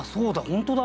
本当だ。